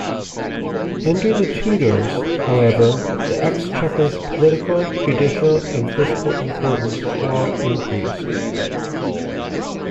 Under the Tudors, however, the Exchequer's political, judicial and fiscal importance all increased.